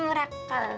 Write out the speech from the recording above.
senyum raka love